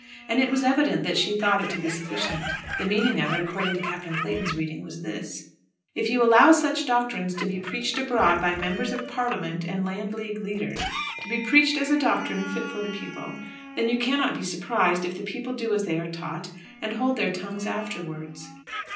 And it was evident that she thought it to be sufficient. The meaning of it, according to Captain Clayton's reading, was this: "If you allow such doctrines to be preached abroad by Members of Parliament and Landleague leaders, to be preached as a doctrine fit for the people, then you cannot be surprised if the people do as they are taught and hold their tongues afterwards."